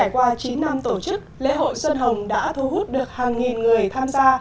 thưa quý vị trải qua chín năm tổ chức lễ hội xuân hồng đã thu hút được hàng nghìn người tham gia